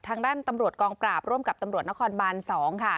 ทางด้านตำรวจกองปราบร่วมกับตำรวจนครบาน๒ค่ะ